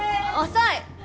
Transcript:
遅い！